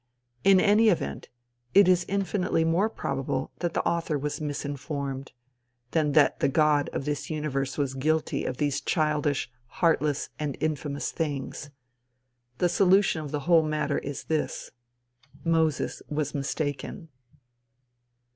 In any event it is infinitely more probable that the author was misinformed, than that the God of this universe was guilty of these childish, heartless and infamous things. The solution of the whole matter is this: Moses was mistaken.